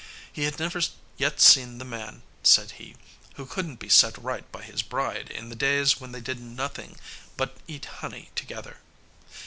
He had never yet seen the man, said he, who couldn't be set right by his bride in the days when they did nothing but eat honey together.